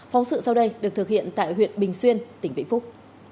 phóng sự sau đây được thực hiện tại huyện bình xuyên tỉnh vĩnh phúc